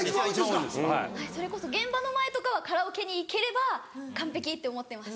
それこそ現場の前とかはカラオケに行ければ完璧！って思ってます。